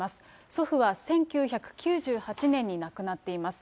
祖父は１９９８年に亡くなっています。